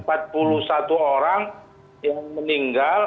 ada empat puluh satu orang yang meninggal